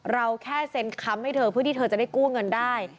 เราแค่เซ็นคำให้เธอเพื่อที่เธอจะได้กู้เงินได้